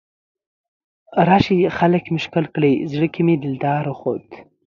راشئ خلکه ښکل مې کړئ، زړه کې مې دلدار اوخوت